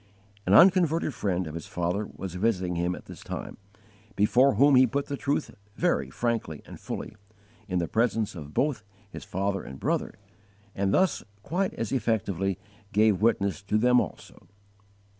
An unconverted friend of his father was visiting him at this time, before whom he put the truth very frankly and fully, in the presence of both his father and brother, and thus quite as effectively gave witness to them also.